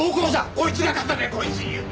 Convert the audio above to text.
こいつが肩でこいつ指。